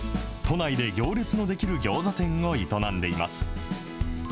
都内で行列の出来るギョーザ店を営んでいます。